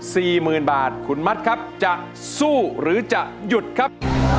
สู้นะครับ